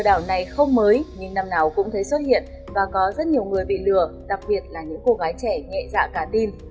lừa đảo này không mới nhưng năm nào cũng thấy xuất hiện và có rất nhiều người bị lừa đặc biệt là những cô gái trẻ nhẹ dạ cả tin